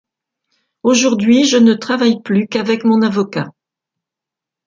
Aujourd'hui je ne travaille plus qu'avec mon avocat.